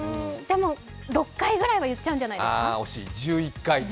６回ぐらいは言っちゃうんじゃないですか。